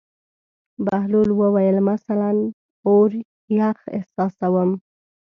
بهلول وویل: مثلاً اور یخ احساسوم.